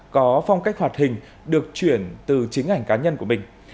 có phong cách hoạt hình được chuyển từ chính ảnh cá nhân của mình